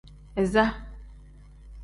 Iza.